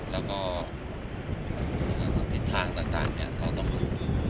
แล้วก็ทิศทางต่างเราต้องดู